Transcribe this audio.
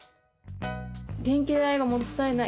電気代がもったいない。